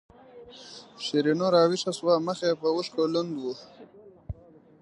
شیرینو راویښه شوه مخ یې په اوښکو لوند و.